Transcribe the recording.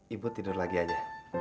ibu tidur lagi aja